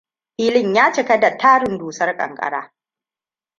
Filin ya cika da tarin dusar ƙanƙara.